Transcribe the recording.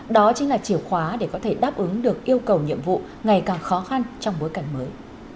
đó chính là chìa khóa để có thể đáp ứng được yêu cầu nhiệm vụ ngày càng khó khăn trong bối cảnh mới